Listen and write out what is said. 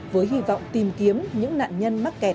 với hy vọng tìm kiếm những nạn nhân mắc kẹt